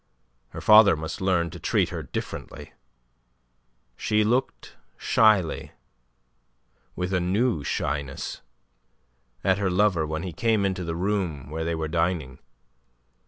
Her father must learn to treat her differently. She looked shyly with a new shyness at her lover when he came into the room where they were dining.